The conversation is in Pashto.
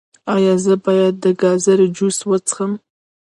ایا زه باید د ګازرې جوس وڅښم؟